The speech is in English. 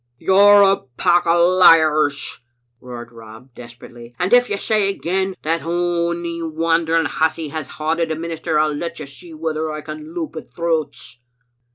"You're a pack o' liars," roared Rob, desperately, " and if you say again that ony wandering hussy has baud o' the minister, I'll let you see whether I can loup at throats."